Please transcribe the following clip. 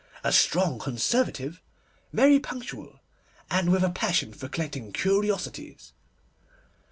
A strong Conservative, very punctual, and with a passion for collecting curiosities.